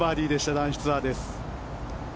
男子ツアーです。